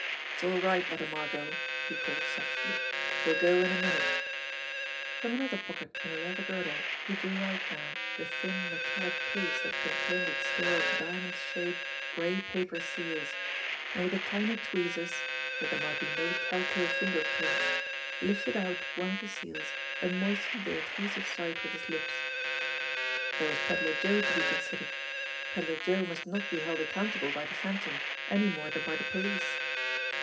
"It's all right, Mother Margot!" he called softly. "We'll go in a minute." From another pocket in the leather girdle he drew out now he thin metallic case that contained its store of diamond snaped, gray paper seals, and with the tiny tweezers that there might be no tell tale finger prints lifted out one of the seals and moistened the adhesive side with his lips. There was Pedler Joe to be considered. Pedler Joe must not be held accountable by the Phantom, any more than by the police.